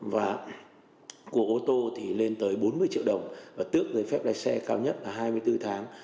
và của ô tô thì lên tới bốn mươi triệu đồng và tước giấy phép lái xe cao nhất là hai mươi bốn tháng